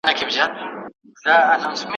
کله د ستړیا د له منځه وړلو لپاره باید ځان کش کړو؟